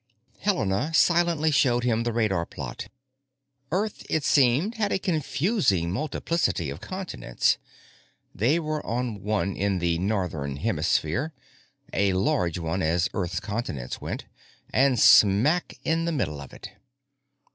Helena silently showed him the radar plot. Earth, it seemed, had a confusing multiplicity of continents; they were on one in the northern hemisphere, a large one as Earth's continents went, and smack in the middle of it.